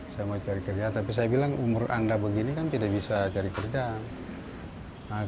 saya mau cari kerja tapi saya bilang umur anda begini kan tidak bisa cari kerjaan